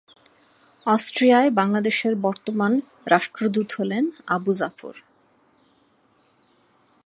অস্ট্রিয়ায় বাংলাদেশের বর্তমান রাষ্ট্রদূত হলেন আবু জাফর।